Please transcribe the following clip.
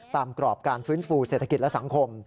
กรอบการฟื้นฟูเศรษฐกิจและสังคม